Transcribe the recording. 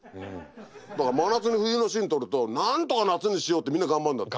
だから真夏に冬のシーン撮るとなんとか夏にしようってみんな頑張るんだって。